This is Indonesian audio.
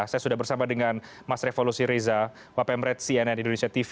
saya sudah bersama dengan mas revolusi reza wapemret cnn indonesia tv